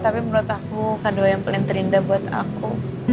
tapi menurut aku kedua yang paling terindah buat aku